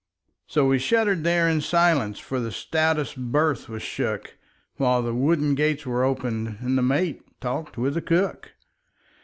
So we shuddered there in silence, For the stoutest berth was shook, While the wooden gates were opened And the mate talked with the cook.